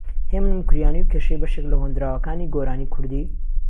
هێمن موکریانی و کێشەی بەشیک لە هۆندراوەکانی گۆرانی کوردی